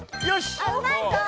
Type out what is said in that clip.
あっうまいぞ！